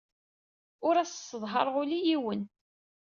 Ur as-sseḍhareɣ ula i yiwen.